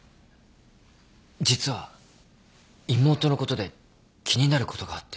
実は妹のことで気になることがあって。